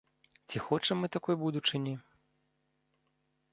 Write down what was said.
Ці хочам мы такой будучыні?